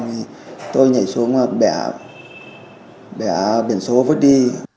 thì tôi nhảy xuống bẻ biển số vứt đi